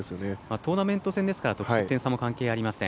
トーナメント戦ですから得失点差も関係ありません。